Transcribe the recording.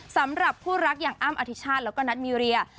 สำหรับคู่รักอย่างอ้ำอธิชาติแล้วก็นัทมีเรีย